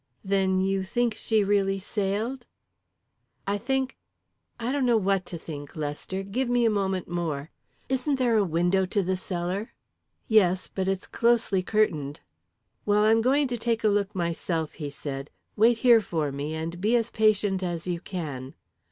"Then you think she really sailed?" "I think I don't know what to think, Lester. Give me a moment more. Isn't there a window to the cellar?" "Yes, but it's closely curtained." "Well, I'm going to take a look, myself," he said. "Wait here for me, and be as patient as you can."